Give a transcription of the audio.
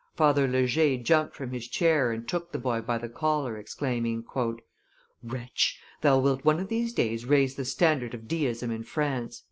Father Lejay jumped from his chair and took the boy by the collar, exclaiming, "Wretch, thou wilt one of these days raise the standard of Deism in France!"